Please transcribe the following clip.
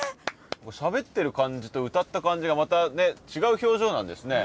しゃべってる感じと歌った感じがまた違う表情なんですね